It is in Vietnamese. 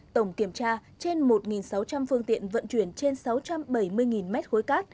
tổng kiểm tra trên một sáu trăm linh phương tiện vận chuyển trên sáu trăm bảy mươi mét khối cát